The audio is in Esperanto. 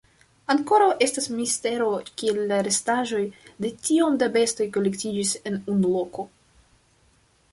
Ankoraŭ estas mistero kiel la restaĵoj de tiom da bestoj kolektiĝis en unu loko.